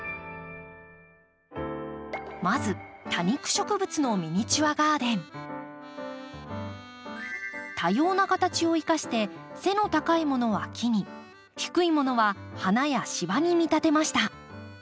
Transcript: まず多様な形を生かして背の高いものは木に低いものは花や芝に見立てました。